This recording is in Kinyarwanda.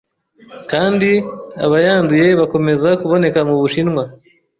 kandi abayanduye bakomeza kuboneka mu Bushinwa